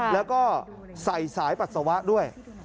แล้วก็ใส่สายปัสสาวะด้วย